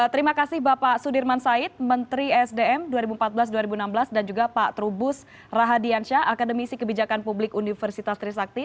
terima kasih bapak sudirman said menteri sdm dua ribu empat belas dua ribu enam belas dan juga pak trubus rahadiansyah akademisi kebijakan publik universitas trisakti